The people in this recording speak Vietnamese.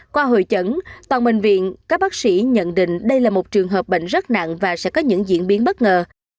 qua hội chẩn toàn bệnh viện các bác sĩ nhận định đây là một trường hợp bệnh rất nặng và sẽ có những diễn biến bất ngờ